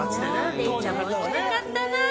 デイちゃんも行きたかったなぁ。